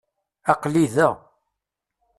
Aql-i da.